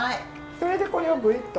それでこれをぐいっと。